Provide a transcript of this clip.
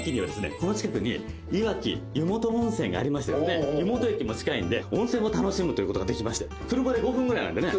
この近くにいわき湯本温泉がありまして湯本駅も近いんで温泉も楽しむということができまして車で５分ぐらいなんでね